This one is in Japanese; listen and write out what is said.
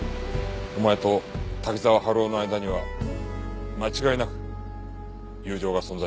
お前と滝沢春夫の間には間違いなく友情が存在した。